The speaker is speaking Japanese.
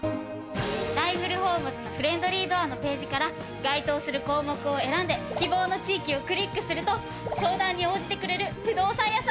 ライフルホームズのＦＲＩＥＮＤＬＹＤＯＯＲのページから該当する項目を選んで希望の地域をクリックすると相談に応じてくれる不動産屋さんが表示されるの。